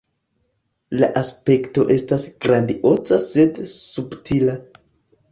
La aspekto estas grandioza sed subtila.